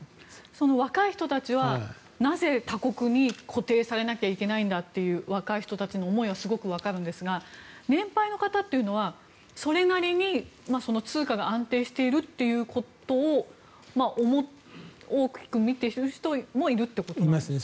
若い人たちはなぜ、他国に固定されなきゃいけないんだという若い人たちの思いはすごくわかるんですが年配の方というのは、それなりに通貨が安定しているということを大きく見ている人もいるということですか？